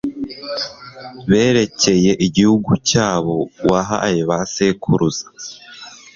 berekeye igihugu cyabo wahaye ba sekuruza